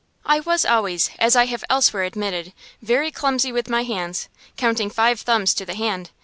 I was always, as I have elsewhere admitted, very clumsy with my hands, counting five thumbs to the hand.